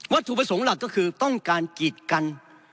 ถูกประสงค์หลักก็คือต้องการกีดกัน